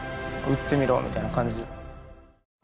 打ってみろみたいな感じ。